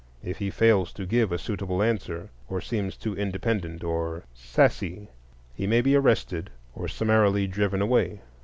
If he fails to give a suitable answer, or seems too independent or "sassy," he may be arrested or summarily driven away.